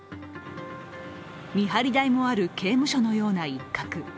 見張り台もある刑務所のような一角。